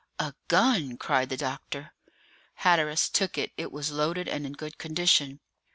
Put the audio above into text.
"A gun!" cried the doctor. Hatteras took it; it was loaded and in good condition.